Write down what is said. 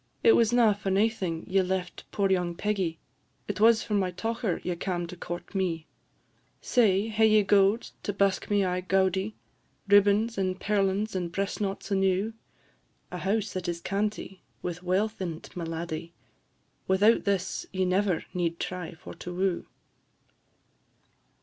It was na for naething ye left poor young Peggie; It was for my tocher ye cam' to court me. Say, hae ye gowd to busk me aye gaudie? Ribbons, and perlins, and breast knots enew? A house that is canty, with wealth in 't, my laddie? Without this ye never need try for to woo."